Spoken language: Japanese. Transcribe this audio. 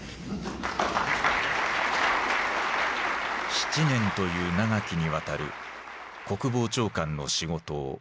７年という長きにわたる国防長官の仕事を終えた。